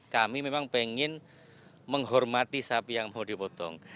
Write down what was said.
kami memang pengen menghormati sapi yang mau dipotong